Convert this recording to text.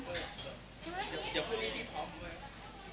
เดี๋ยวพี่นี่มีผอมด้วย